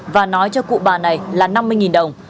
và nói cho cụ bà này là năm mươi đồng